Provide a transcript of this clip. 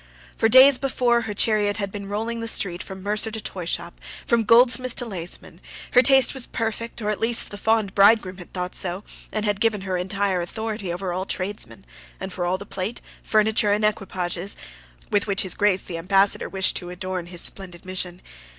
For days before, her chariot had been rolling the street from mercer to toyshop from goldsmith to laceman: her taste was perfect, or at least the fond bridegroom had thought so, and had given her entire authority over all tradesmen, and for all the plate, furniture and equipages, with which his Grace the Ambassador wished to adorn his splendid mission.